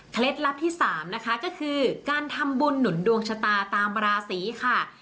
ลับที่๓นะคะก็คือการทำบุญหนุนดวงชะตาตามราศีค่ะ